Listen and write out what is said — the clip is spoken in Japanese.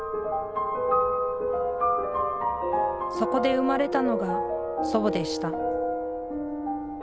そこで生まれたのが祖母でした。